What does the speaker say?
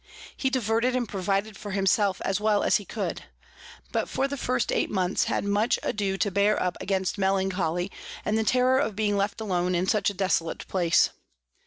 He diverted and provided for himself as well as he could; but for the first eight months had much ado to bear up against Melancholy, and the Terror of being left alone in such a desolate place.